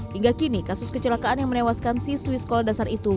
hingga kini kasus kecelakaan yang menewaskan siswi sekolah dasar itu